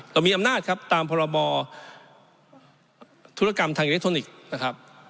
เรามีอำนาจตามพรหมอธุรกรรมทางอิเล็กทรอนิกส์